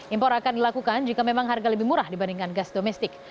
impor akan dilakukan jika memang harga lebih murah dibandingkan gas domestik